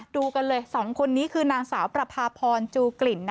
ดูกันเลย๒คนนี้คือนางสาวประพาพรจูกลิ่น